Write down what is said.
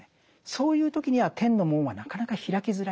そういう時には天の門はなかなか開きづらい。